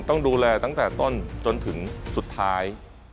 ต้องดูแลตั้งแต่ต้นจนถึงสุดท้าย